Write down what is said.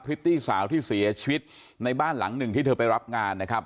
ิตตี้สาวที่เสียชีวิตในบ้านหลังหนึ่งที่เธอไปรับงานนะครับ